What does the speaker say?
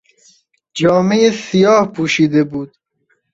جامهی سیاه پوشیده بود.